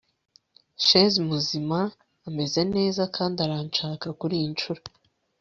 shes muzima, ameze neza, kandi aranshaka kuriyi nshuro